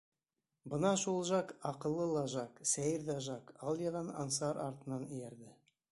Бына шул Жак, аҡыллы ла Жак, сәйер ҙә Жак алйыған Ансар артынан эйәрҙе.